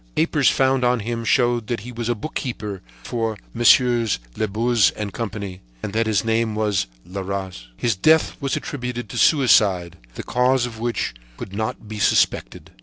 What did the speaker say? Papers found on him showed that he was a bookkeeper for Messieurs Labuze and Company and that his name was Leras. His death was attributed to suicide, the cause of which could not be suspected.